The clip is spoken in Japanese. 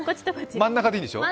真ん中でいいんでしょ？